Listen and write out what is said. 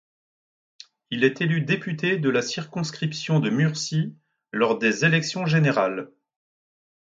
Il est élu député de la circonscription de Murcie lors des élections générales d'.